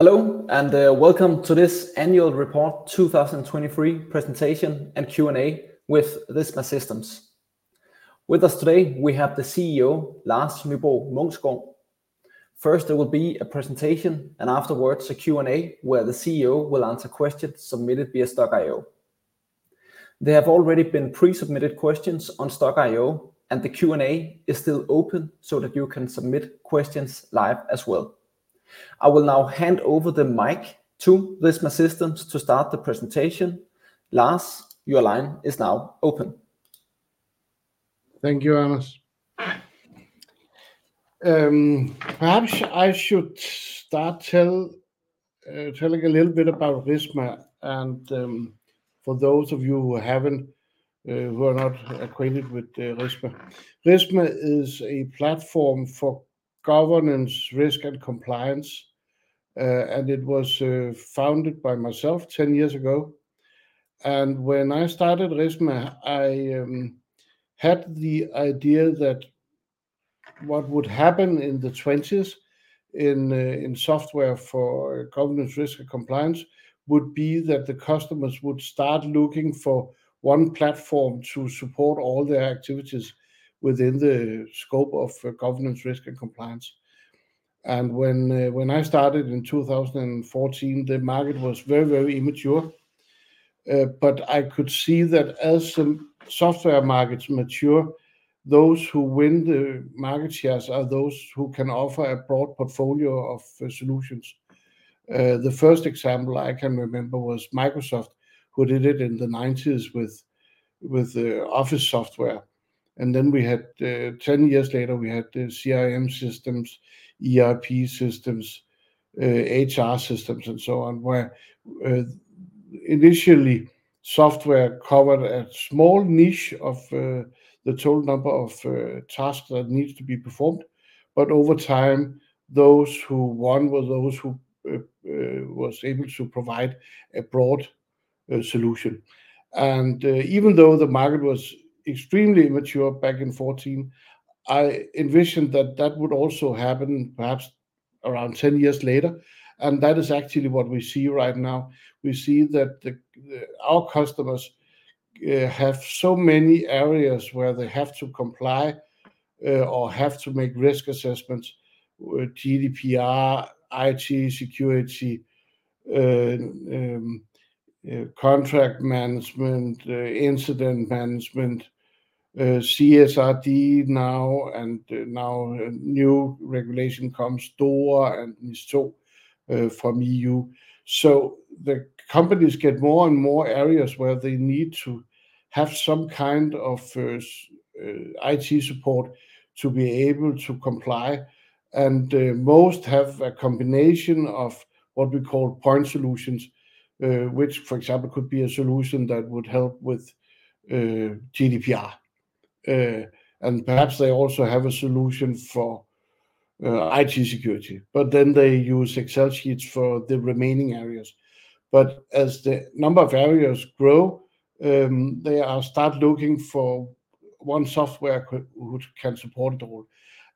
Hello, and welcome to this annual report 2023 presentation and Q&A with RISMA Systems. With us today, we have the CEO, Lars Nybro Munksgaard. First, there will be a presentation, and afterwards a Q&A where the CEO will answer questions submitted via Stokk.io. There have already been pre-submitted questions on Stokk.io, and the Q&A is still open so that you can submit questions live as well. I will now hand over the mic to RISMA Systems to start the presentation. Lars, your line is now open. Thank you, [Arun]. Perhaps I should start telling a little bit about RISMA, and, for those of you who haven't, who are not acquainted with, RISMA. RISMA is a platform for governance, risk, and compliance, and it was founded by myself 10 years ago. And when I started RISMA, I had the idea that what would happen in the '20s in software for governance, risk, and compliance would be that the customers would start looking for one platform to support all their activities within the scope of governance, risk, and compliance. And when I started in 2014, the market was very, very immature, but I could see that as the software markets mature, those who win the market shares are those who can offer a broad portfolio of solutions. The first example I can remember was Microsoft, who did it in the 1990s with Office software. And then, 10 years later, we had CRM systems, ERP systems, HR systems, and so on, where initially software covered a small niche of the total number of tasks that needed to be performed, but over time those who won were those who were able to provide a broad solution. And even though the market was extremely immature back in 2014, I envisioned that that would also happen perhaps around 10 years later, and that is actually what we see right now. We see that our customers have so many areas where they have to comply or have to make risk assessments, GDPR, IT security, contract management, incident management, CSRD now, and now a new regulation comes, DORA and NIS2, from EU. So the companies get more and more areas where they need to have some kind of IT support to be able to comply, and most have a combination of what we call point solutions, which, for example, could be a solution that would help with GDPR, and perhaps they also have a solution for IT security, but then they use Excel sheets for the remaining areas. But as the number of areas grow, they start looking for one software company who can support it all.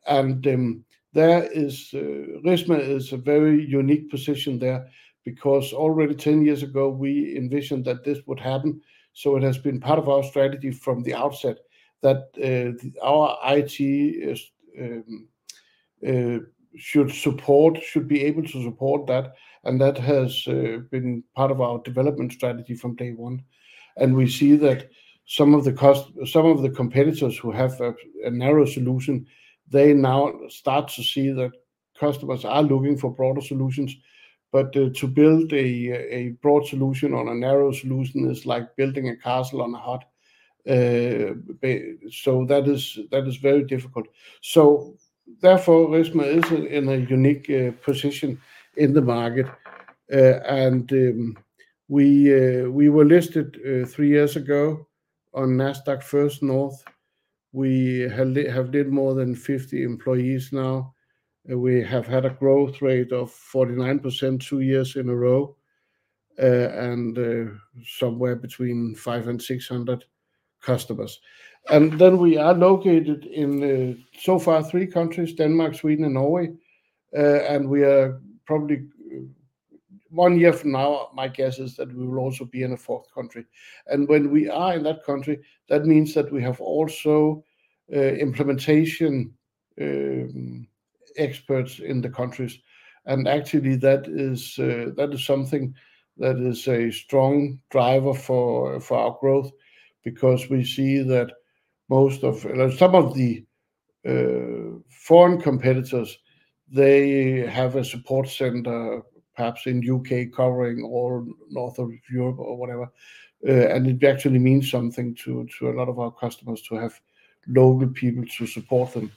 RISMA is in a very unique position there because already 10 years ago we envisioned that this would happen, so it has been part of our strategy from the outset that our IT should be able to support that, and that has been part of our development strategy from day one. We see that some of the competitors who have a narrow solution, they now start to see that customers are looking for broader solutions, but to build a broad solution on a narrow solution is like building a castle on a hut, so that is very difficult. So therefore RISMA is in a unique position in the market, and we were listed three years ago on Nasdaq First North. We have more than 50 employees now. We have had a growth rate of 49% two years in a row, and somewhere between 500 and 600 customers. Then we are located in so far three countries: Denmark, Sweden, and Norway, and we are probably one year from now, my guess is that we will also be in a fourth country. When we are in that country, that means that we have also implementation experts in the countries, and actually that is something that is a strong driver for our growth because we see that most of some of the foreign competitors, they have a support center, perhaps in the U.K., covering all north of Europe or whatever, and it actually means something to a lot of our customers to have local people to support them.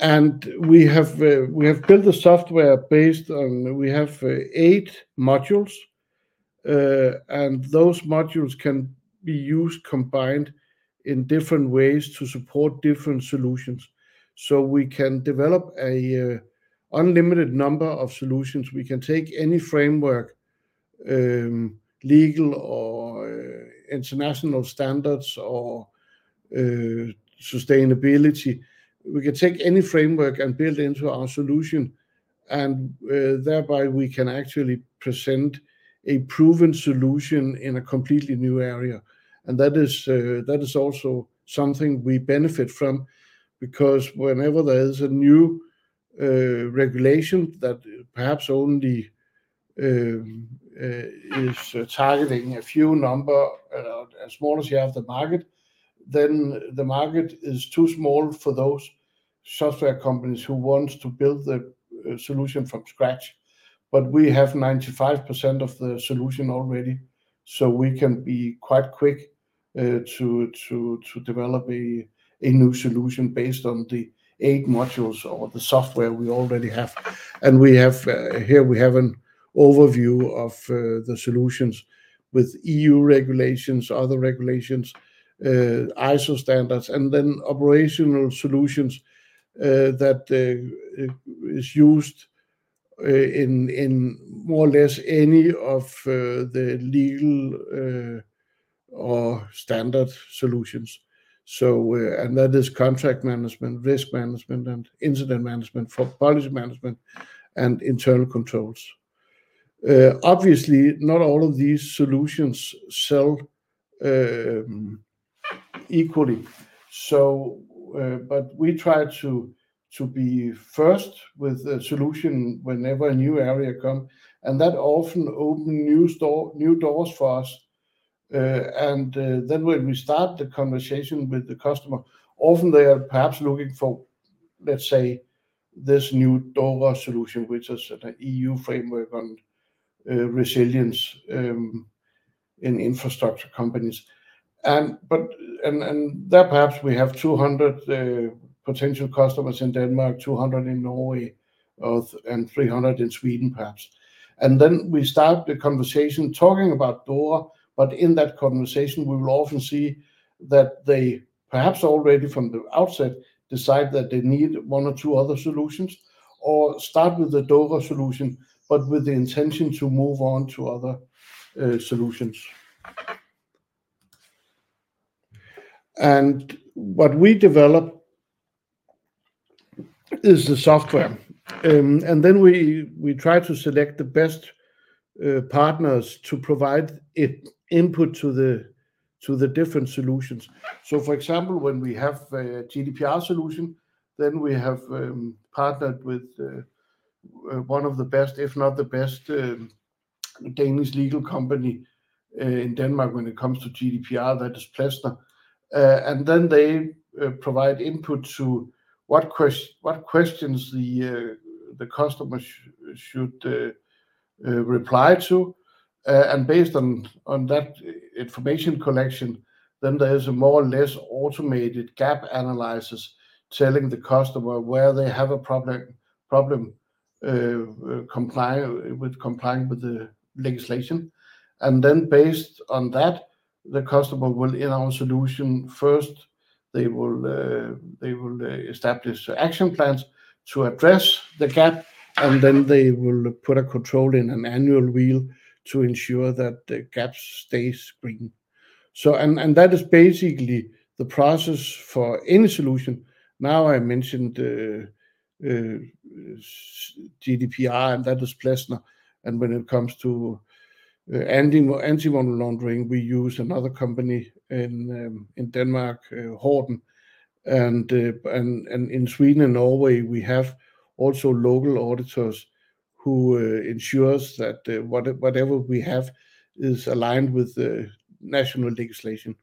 And we have built a software based on we have eight modules, and those modules can be used combined in different ways to support different solutions. So we can develop a unlimited number of solutions. We can take any framework, legal or international standards or sustainability. We can take any framework and build into our solution, and thereby we can actually present a proven solution in a completely new area, and that is also something we benefit from because whenever there is a new regulation that perhaps only is targeting a few number as small as you have the market, then the market is too small for those software companies who want to build the solution from scratch. But we have 95% of the solution already, so we can be quite quick to develop a new solution based on the eight modules or the software we already have, and here we have an overview of the solutions with EU regulations, other regulations, ISO standards, and then operational solutions that is used in more or less any of the legal or standard solutions. That is contract management, risk management, and incident management for policy management, and internal controls. Obviously not all of these solutions sell equally, but we try to be first with a solution whenever a new area comes, and that often opens new doors for us, and then when we start the conversation with the customer, often they are perhaps looking for, let's say, this new DORA solution, which is an EU framework on resilience in infrastructure companies. There perhaps we have 200 potential customers in Denmark, 200 in Norway, and 300 in Sweden perhaps, and then we start the conversation talking about DORA, but in that conversation we will often see that they perhaps already from the outset decide that they need one or two other solutions or start with the DORA solution but with the intention to move on to other solutions. And what we develop is the software, and then we try to select the best partners to provide it input to the different solutions. So, for example, when we have a GDPR solution, then we have partnered with one of the best, if not the best, Danish legal company in Denmark when it comes to GDPR, that is Plesner, and then they provide input to what questions the customer should reply to, and based on that information collection, then there is a more or less automated gap analysis telling the customer where they have a problem complying with the legislation, and then based on that, the customer will in our solution first they will establish action plans to address the gap, and then they will put a control in an annual review to ensure that the gap stays green. And that is basically the process for any solution. Now I mentioned GDPR, and that is Plesner, and when it comes to anti-money laundering, we use another company in Denmark, Horten, and in Sweden and Norway we have also local auditors who ensures that whatever we have is aligned with the national legislation,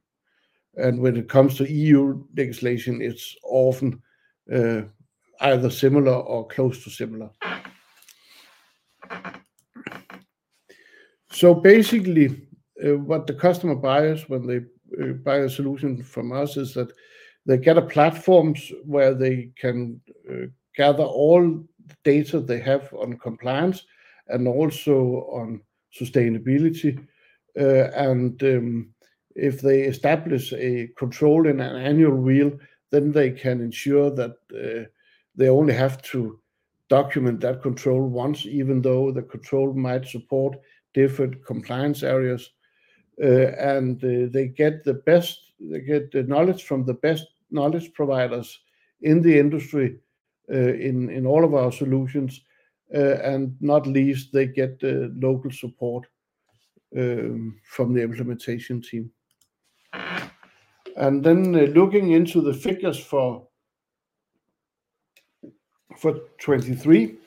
and when it comes to EU legislation, it's often either similar or close to similar. So basically, what the customer buys when they buy a solution from us is that they get a platform where they can gather all the data they have on compliance and also on sustainability, and if they establish a control in an annual wheel, then they can ensure that they only have to document that control once, even though the control might support different compliance areas, and they get the best knowledge from the best knowledge providers in the industry, in all of our solutions, and not least they get local support from the implementation team. And then looking into the figures for 2023,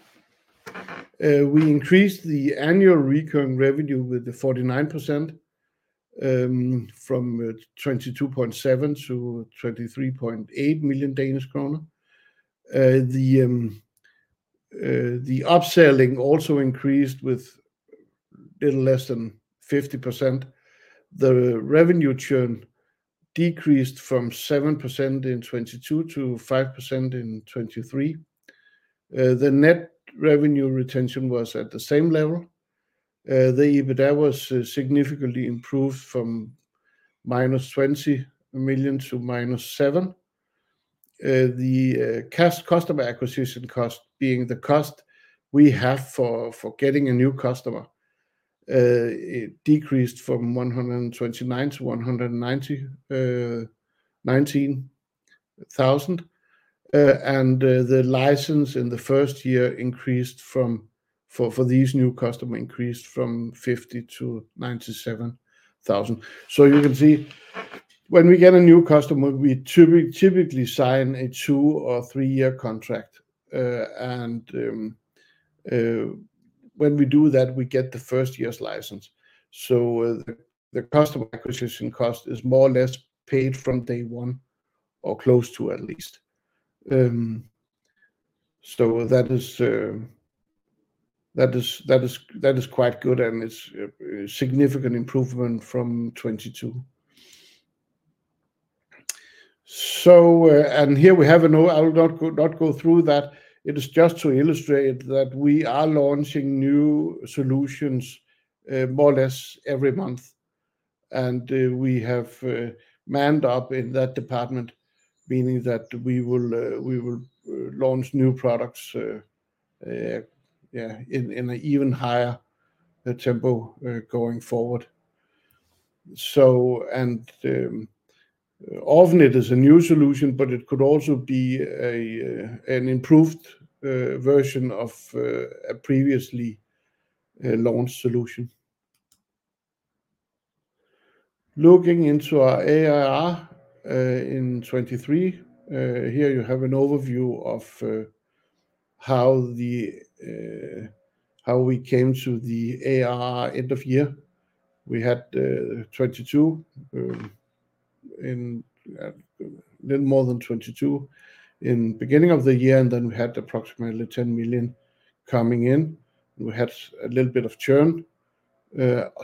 we increased the annual recurring revenue with 49%, from 22.7 million to 23.8 million Danish kroner. The upselling also increased with a little less than 50%. The revenue churn decreased from 7% in 2022 to 5% in 2023. The net revenue retention was at the same level. The EBITDA was significantly improved from -20 million to -7 million. The customer acquisition cost, being the cost we have for getting a new customer, decreased from 129,000 to 19,000, and the license in the 1st year increased from 50,000 to 97,000 for these new customers. So you can see when we get a new customer, we typically sign a two- or three-year contract, and when we do that, we get the 1st year's license. So the customer acquisition cost is more or less paid from day one or close to at least. So that is quite good, and it's a significant improvement from 2022. And here we have a note I'll not go through that. It is just to illustrate that we are launching new solutions, more or less every month, and we have manned up in that department, meaning that we will, we will launch new products, yeah, in an even higher tempo, going forward. So, and often it is a new solution, but it could also be an improved version of a previously launched solution. Looking into our ARR in 2023, here you have an overview of how we came to the ARR end-of-year. We had 2022, a little more than 2022 in the beginning of the year, and then we had approximately 10 million coming in, and we had a little bit of churn,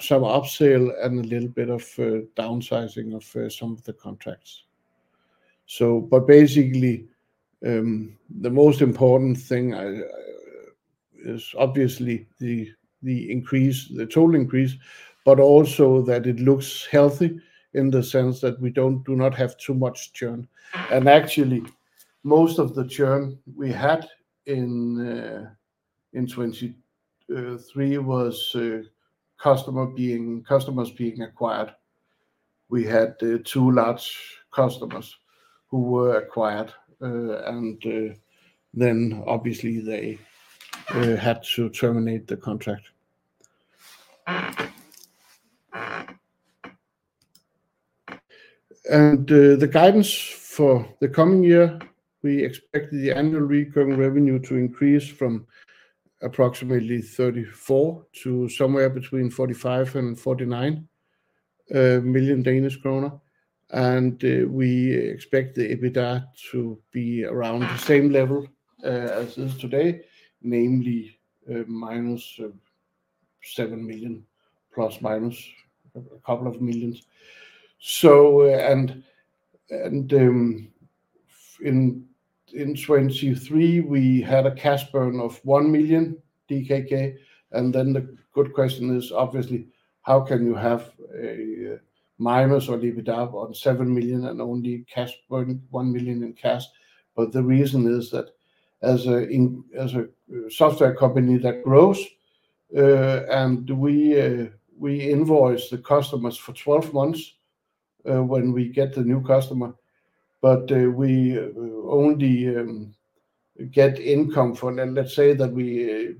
some upsell and a little bit of downsizing of some of the contracts. So, but basically, the most important thing is obviously the increase, the total increase, but also that it looks healthy in the sense that we do not have too much churn. And actually most of the churn we had in 2023 was customers being acquired. We had two large customers who were acquired, and then obviously they had to terminate the contract. And the guidance for the coming year, we expect the annual recurring revenue to increase from approximately 34 million to somewhere between 45 million and 49 million Danish kroner, and we expect the EBITDA to be around the same level as is today, namely minus 7 million plus minus a couple of millions. In 2023 we had a cash burn of 1 million DKK, and then the good question is obviously how can you have a negative EBITDA of 7 million and only cash burn 1 million. But the reason is that as a software company that grows, and we invoice the customers for 12 months when we get the new customer, but we only get income for let's say that we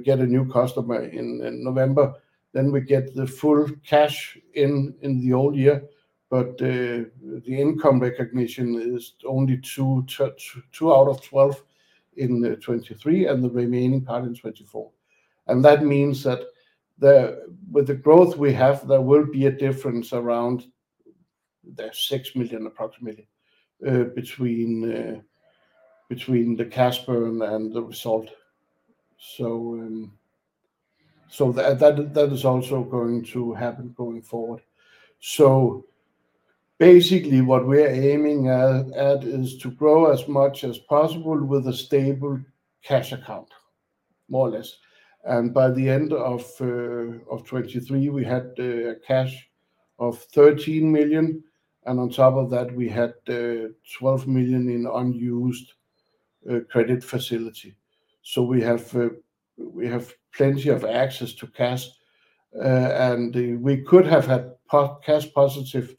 get a new customer in November, then we get the full cash in the old year, but the income recognition is only two out of 12 in 2023 and the remaining part in 2024. And that means that with the growth we have there will be a difference of approximately 6 million between the cash burn and the result. So that is also going to happen going forward. So basically what we're aiming at is to grow as much as possible with a stable cash account more or less, and by the end of 2023 we had a cash of 13 million and on top of that we had 12 million in unused credit facility. So we have plenty of access to cash, and we could have had cash positive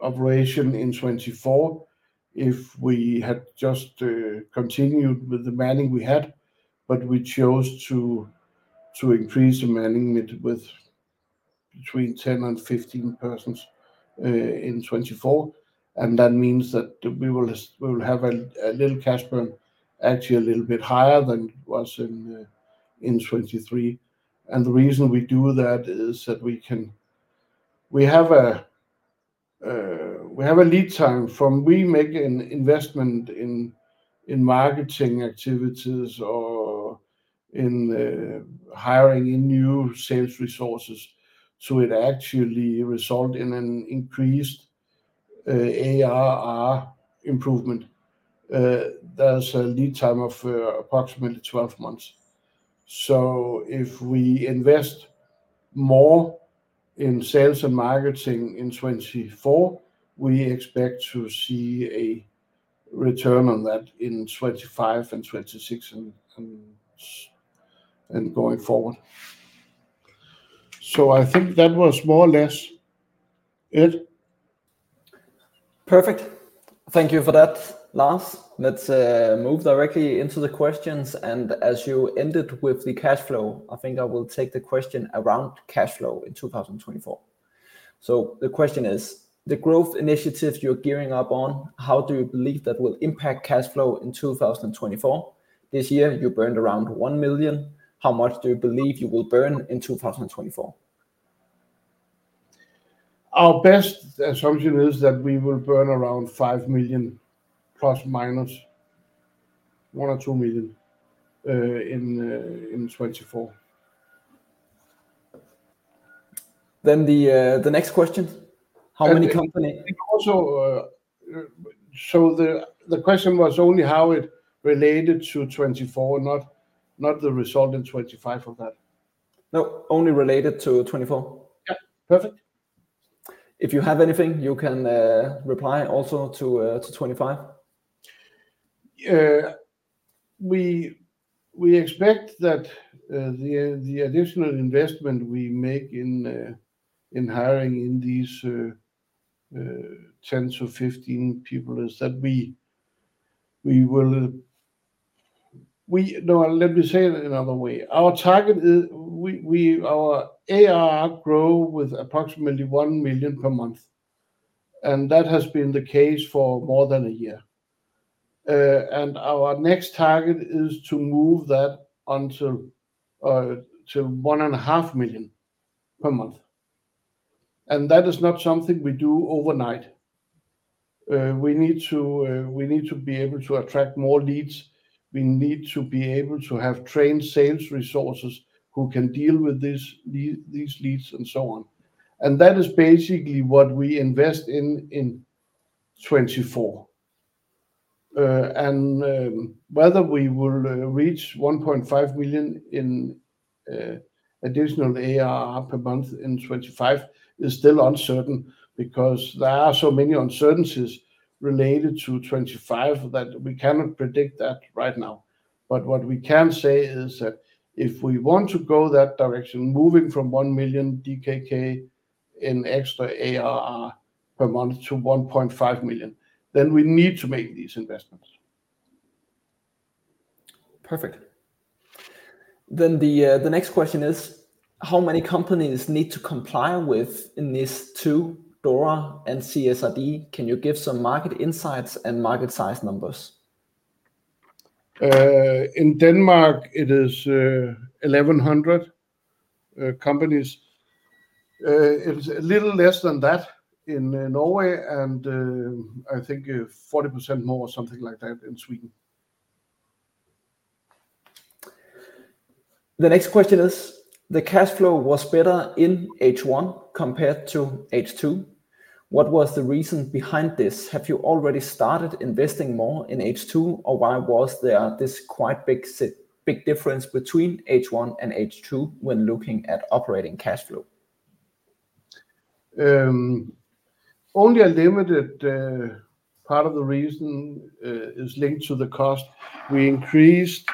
operation in 2024 if we had just continued with the manning we had, but we chose to increase the manning with between 10 and 15 persons in 2024, and that means that we will have a little cash burn actually a little bit higher than it was in 2023. And the reason we do that is that we have a lead time from we make an investment in marketing activities or in hiring new sales resources to it actually result in an increased ARR improvement. There's a lead time of approximately 12 months. So if we invest more in sales and marketing in 2024 we expect to see a return on that in 2025 and 2026 and going forward. So I think that was more or less it. Perfect. Thank you for that, Lars. Let's move directly into the questions, and as you ended with the cash flow, I think I will take the question around cash flow in 2024. So the question is the growth initiative you're gearing up on, how do you believe that will impact cash flow in 2024? This year you burned around 1 million. How much do you believe you will burn in 2024? Our best assumption is that we will burn around 5 million ±1 or 2 million in 2024. Then the next question. How many company? Also, so the question was only how it related to 2024, not the result in 2025 of that. No, only related to 2024. Yeah. Perfect. If you have anything you can reply also to 2025. We expect that the additional investment we make in hiring these 10-15 people is that we will. No, let me say it another way. Our target is our ARR grow with approximately 1 million per month, and that has been the case for more than a year. Our next target is to move that to 1.5 million per month, and that is not something we do overnight. We need to be able to attract more leads. We need to be able to have trained sales resources who can deal with these leads and so on, and that is basically what we invest in in 2024. And whether we will reach 1.5 million in additional ARR per month in 2025 is still uncertain because there are so many uncertainties related to 2025 that we cannot predict that right now, but what we can say is that if we want to go that direction moving from 1 million DKK in extra ARR per month to 1.5 million, then we need to make these investments. Perfect. Then the next question is how many companies need to comply with these two, DORA and CSRD? Can you give some market insights and market size numbers? In Denmark it is 1,100 companies. It's a little less than that in Norway, and I think 40% more or something like that in Sweden. The next question is the cash flow was better in H1 compared to H2. What was the reason behind this? Have you already started investing more in H2, or why was there this quite big difference between H1 and H2 when looking at operating cash flow? Only a limited part of the reason is linked to the cost. We increased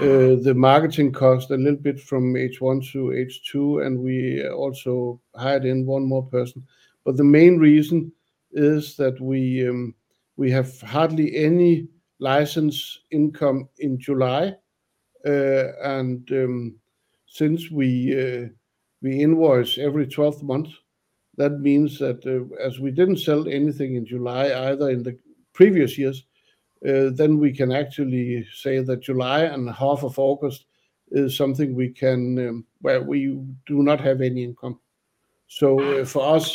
the marketing cost a little bit from H1 to H2, and we also hired one more person, but the main reason is that we have hardly any license income in July, and since we invoice every 12th month, that means that as we didn't sell anything in July either in the previous years, then we can actually say that July and half of August is something where we do not have any income. So for us,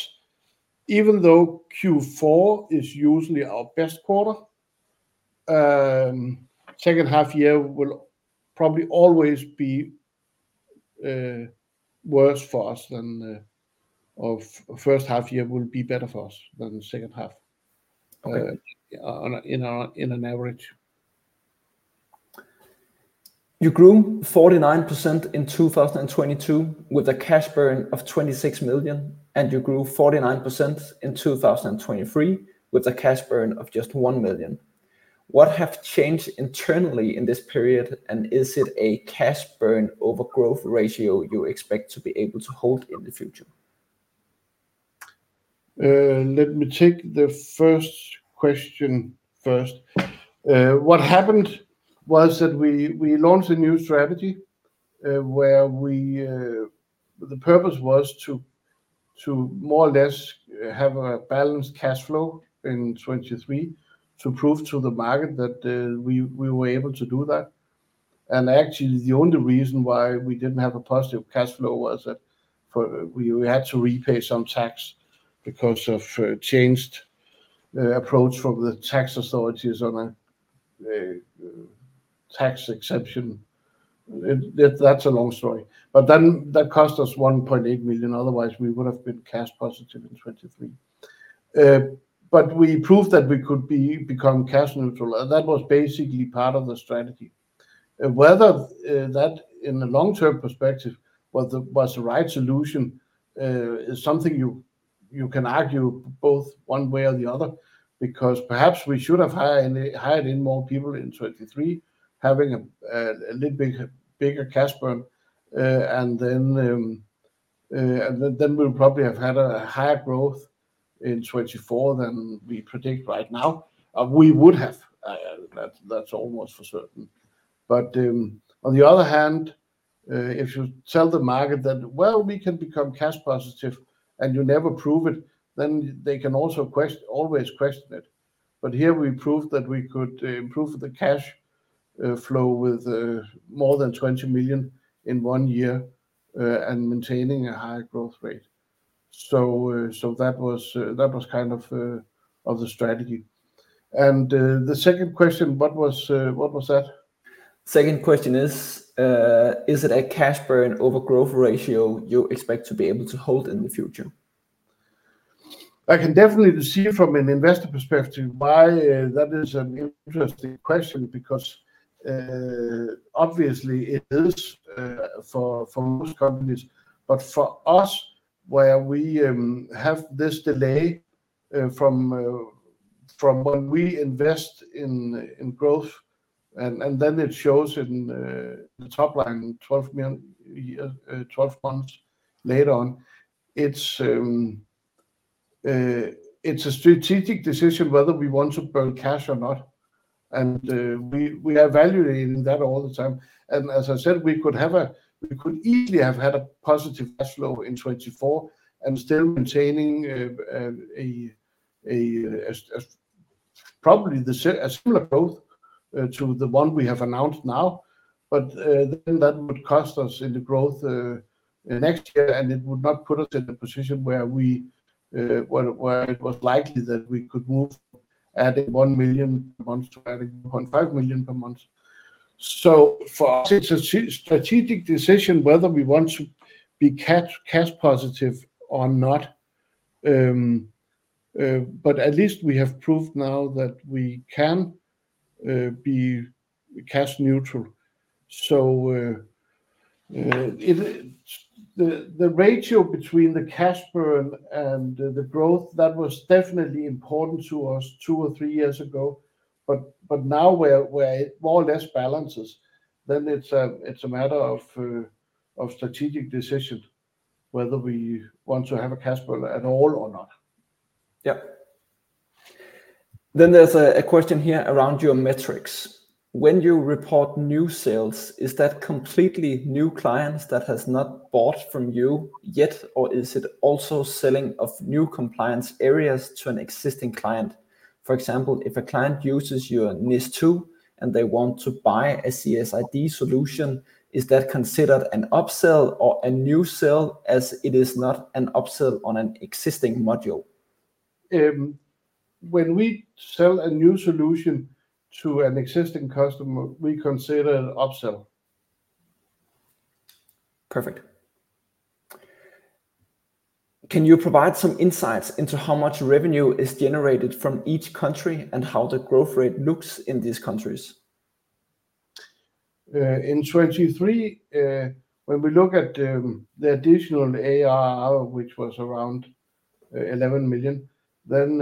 even though Q4 is usually our best quarter, 2nd half year will probably always be worse for us than 1st half year, or 1st half year will be better for us than 2nd half in an average. You grew 49% in 2022 with a cash burn of 26 million, and you grew 49% in 2023 with a cash burn of just 1 million. What have changed internally in this period, and is it a cash burn over growth ratio you expect to be able to hold in the future? Let me take the first question first. What happened was that we launched a new strategy, where we, the purpose was to more or less have a balanced cash flow in 2023 to prove to the market that we were able to do that, and actually the only reason why we didn't have a positive cash flow was that for we had to repay some tax because of a changed approach from the tax authorities on a tax exemption. That's a long story, but then that cost us 1.8 million. Otherwise, we would have been cash positive in 2023. But we proved that we could become cash neutral, and that was basically part of the strategy. Whether that, in a long-term perspective, was the right solution is something you can argue both one way or the other because perhaps we should have hired more people in 2023 having a little bit bigger cash burn, and then we probably would have had a higher growth in 2024 than we predict right now. We would have. That's almost for certain. But on the other hand, if you tell the market that, well, we can become cash positive and you never prove it, then they can also always question it. But here we proved that we could improve the cash flow with more than 20 million in 1 year, and maintaining a higher growth rate. So that was kind of the strategy. And the second question, what was that? 2nd question is, is it a cash burn over growth ratio you expect to be able to hold in the future? I can definitely see from an investor perspective why that is an interesting question because, obviously it is, for most companies, but for us where we have this delay from when we invest in growth and then it shows in the top line 12 million 12 months later on. It's a strategic decision whether we want to burn cash or not, and we are evaluating that all the time. And as I said, we could easily have had a positive cash flow in 2024 and still maintaining a probably similar growth to the one we have announced now, but then that would cost us in the growth next year, and it would not put us in a position where it was likely that we could move adding 1 million per month to adding 0.5 million per month. So for us it's a strategic decision whether we want to be cash positive or not, but at least we have proved now that we can be cash neutral. So, it's the ratio between the cash burn and the growth that was definitely important to us two or three years ago, but now where it more or less balances, then it's a matter of strategic decision whether we want to have a cash burn at all or not. Yeah. Then there's a question here around your metrics. When you report new sales, is that completely new clients that has not bought from you yet, or is it also selling of new compliance areas to an existing client? For example, if a client uses your NIS2 and they want to buy a CSRD solution, is that considered an upsell or a new sell as it is not an upsell on an existing module? When we sell a new solution to an existing customer, we consider it an upsell. Perfect. Can you provide some insights into how much revenue is generated from each country and how the growth rate looks in these countries? In 2023, when we look at the additional ARR which was around 11 million, then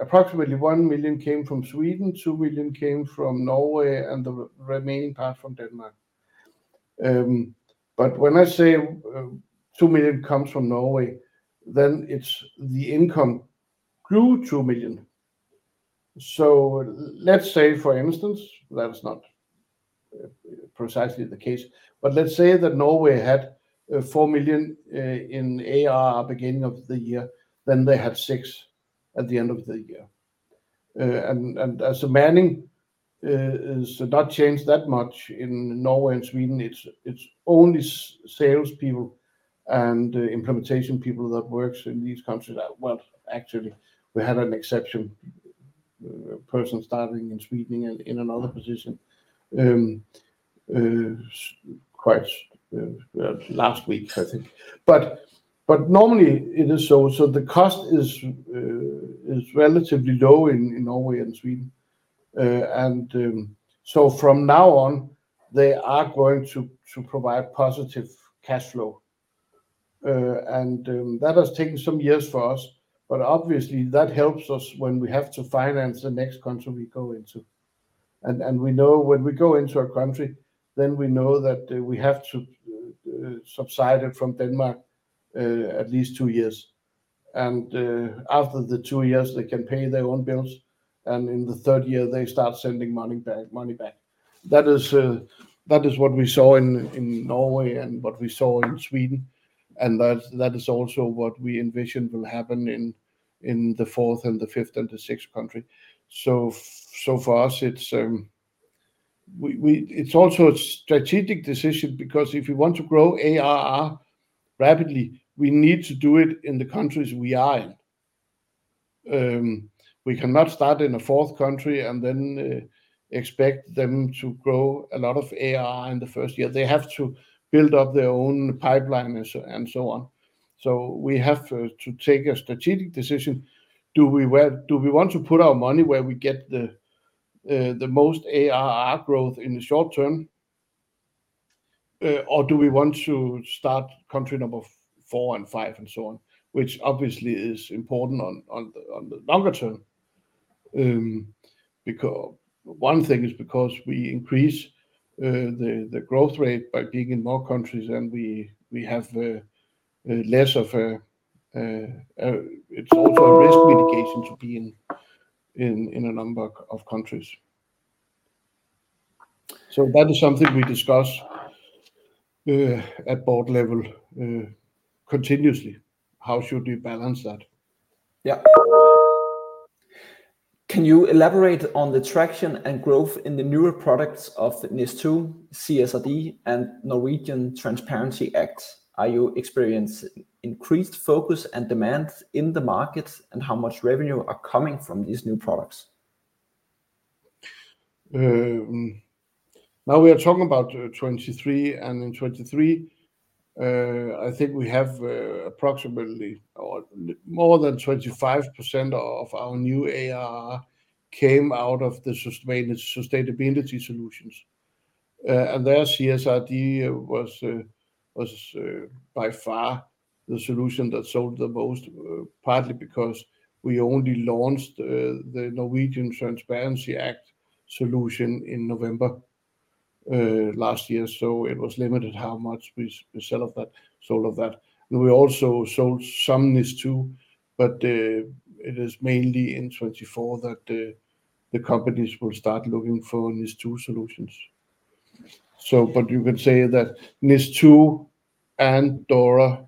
approximately 1 million came from Sweden, 2 million came from Norway, and the remaining part from Denmark. But when I say 2 million comes from Norway, then it's the income grew 2 million. So let's say, for instance, that's not precisely the case, but let's say that Norway had 4 million in ARR beginning of the year, then they had 6 million at the end of the year. And as the manning has not changed that much in Norway and Sweden, it's only salespeople and implementation people that works in these countries. Well, actually we had an exception person starting in Sweden and in another position, quite last week I think. But normally it is so. So the cost is relatively low in Norway and Sweden, and so from now on they are going to provide positive cash flow, and that has taken some years for us, but obviously that helps us when we have to finance the next country we go into. We know when we go into a country then we know that we have to subsidize it from Denmark, at least two years, and after the two years they can pay their own bills, and in the 3rd year they start sending money back. That is what we saw in Norway and what we saw in Sweden, and that is also what we envision will happen in the fourth and the fifth and the sixth country. So, for us, it's also a strategic decision because if we want to grow ARR rapidly, we need to do it in the countries we are in. We cannot start in a fourth country and then expect them to grow a lot of ARR in the 1st year. They have to build up their own pipeline and so on. So we have to take a strategic decision. Where do we want to put our money where we get the most ARR growth in the short term, or do we want to start country number four and five and so on, which obviously is important on the longer term. Because one thing is because we increase the growth rate by being in more countries and we have less of a. It's also a risk mitigation to be in a number of countries. So that is something we discuss at board level continuously. How should we balance that? Yeah. Can you elaborate on the traction and growth in the newer products of NIS2, CSRD, and Norwegian Transparency Act? Are you experiencing increased focus and demand in the market, and how much revenue is coming from these new products? Now we are talking about 2023, and in 2023, I think we have approximately or more than 25% of our new ARR came out of the sustainability solutions, and their CSRD was by far the solution that sold the most, partly because we only launched the Norwegian Transparency Act solution in November last year, so it was limited how much we sell of that. And we also sold some NIS2, but it is mainly in 2024 that the companies will start looking for NIS2 solutions. So but you can say that NIS2 and DORA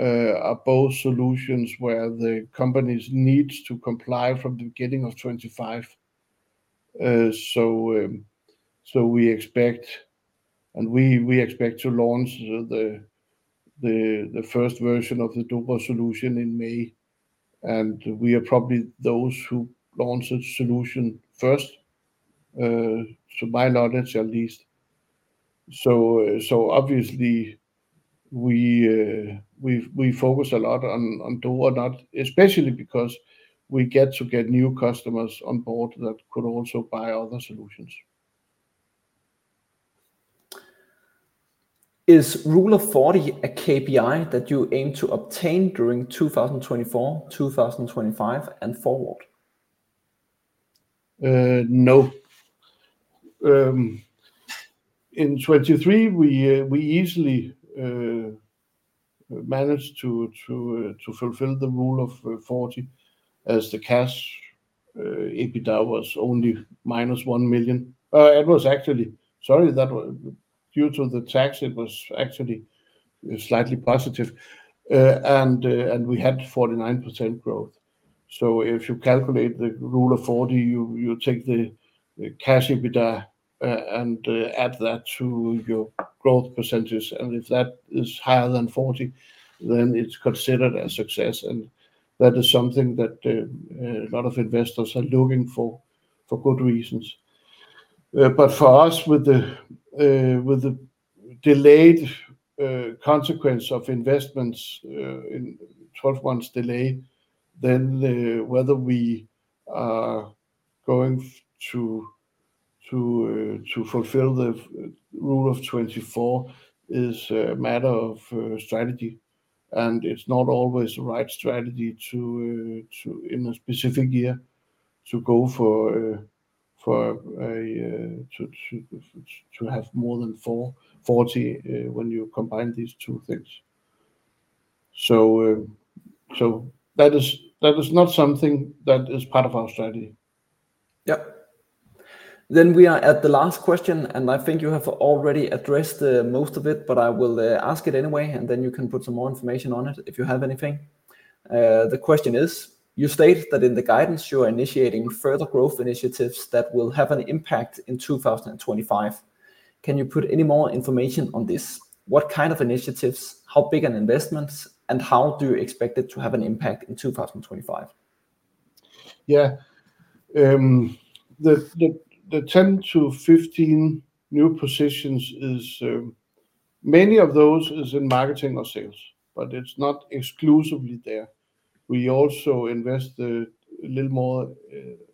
are both solutions where the companies need to comply from the beginning of 2025, so we expect and we expect to launch the 1st version of the DORA solution in May, and we are probably those who launch a solution first, to my knowledge at least. So, obviously we focus a lot on DORA, not especially because we get new customers on board that could also buy other solutions. Is Rule of 40 a KPI that you aim to obtain during 2024, 2025, and forward? No. In 2023 we easily managed to fulfill the Rule of 40 as the cash EBITDA was only -1 million. It was actually sorry that was due to the tax. It was actually slightly positive, and we had 49% growth. So if you calculate the Rule of 40 you take the cash EBITDA, and add that to your growth percentage, and if that is higher than 40 then it's considered a success, and that is something that a lot of investors are looking for for good reasons. But for us with the delayed consequence of investments in 12 months delay then, whether we are going to fulfill the Rule of 24 is a matter of strategy, and it's not always the right strategy to in a specific year to go for a to have more than 40 when you combine these two things. So that is not something that is part of our strategy. Yeah. Then we are at the last question, and I think you have already addressed most of it, but I will ask it anyway, and then you can put some more information on it if you have anything. The question is: You state that in the guidance you are initiating further growth initiatives that will have an impact in 2025. Can you put any more information on this? What kind of initiatives, how big an investment, and how do you expect it to have an impact in 2025? Yeah. The 10-15 new positions is, many of those is in marketing or sales, but it's not exclusively there. We also invest a little more,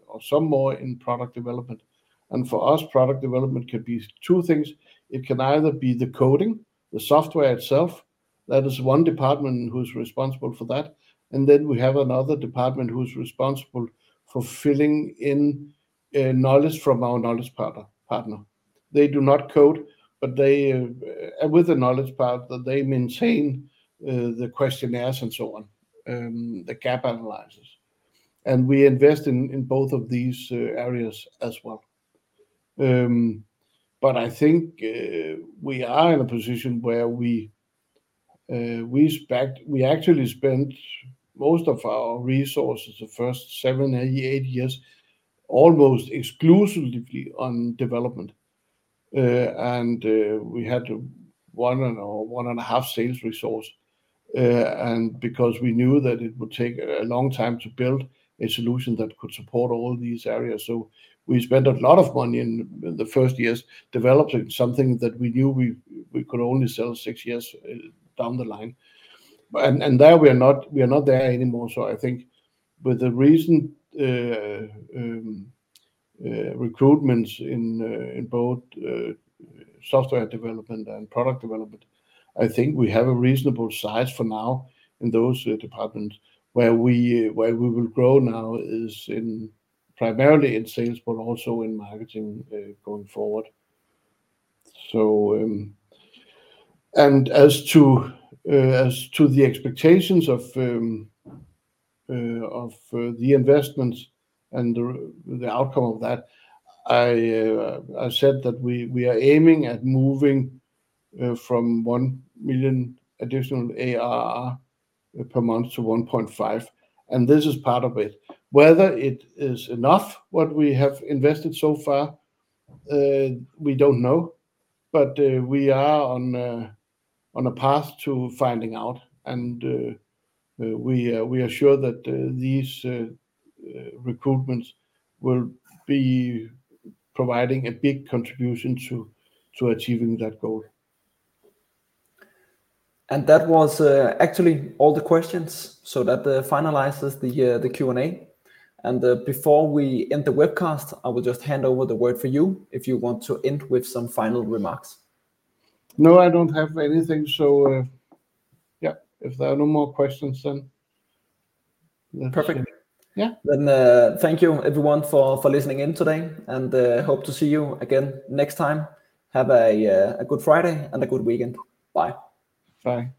or some more in product development, and for us product development can be two things. It can either be the coding, the software itself, that is one department who's responsible for that, and then we have another department who's responsible for filling in, knowledge from our knowledge partner. They do not code, but they, with the knowledge partner they maintain, the questionnaires and so on, the gap analysis, and we invest in both of these, areas as well. I think we are in a position where we actually spent most of our resources the first seven or eight years almost exclusively on development, and we had one and a half sales resource, and because we knew that it would take a long time to build a solution that could support all these areas, so we spent a lot of money in the first years developing something that we knew we could only sell six years down the line. And there we are not there anymore, so I think with the recent recruitments in both software development and product development, I think we have a reasonable size for now in those departments where we will grow now is primarily in sales but also in marketing, going forward. So, as to the expectations of the investments and the outcome of that, I said that we are aiming at moving from 1 million additional ARR per month to 1.5 million, and this is part of it. Whether it is enough what we have invested so far, we don't know, but we are on a path to finding out, and we are sure that these recruitments will be providing a big contribution to achieving that goal. And that was actually all the questions, so that finalizes the Q&A, and before we end the webcast I will just hand over the word for you if you want to end with some final remarks. No, I don't have anything, so yeah, if there are no more questions then that's it. Perfect. Yeah. Thank you everyone for listening in today, and hope to see you again next time. Have a good Friday and a good weekend. Bye. Bye.